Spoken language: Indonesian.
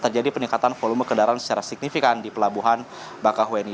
terjadi peningkatan volume kendaraan secara signifikan di pelabuhan bakahuni